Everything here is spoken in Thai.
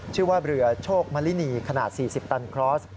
ชื่อว่าเรือโชคมลินีขนาด๔๐ตันคลอส